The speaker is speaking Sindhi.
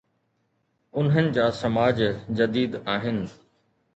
انهن جا سماج جديد آهن.